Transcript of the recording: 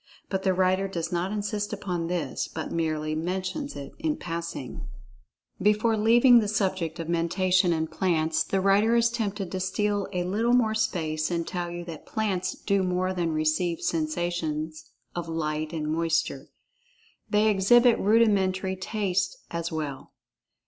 But the writer does not insist upon this, but merely mentions it in passing.[Pg 39] Before leaving the subject of Mentation in plants, the writer is tempted to steal a little more space and tell you that plants do more than receive sensations of light and moisture. They exhibit rudimentary taste as well.